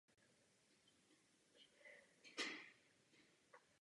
Růst je středně bujný s vodorovnými letorosty.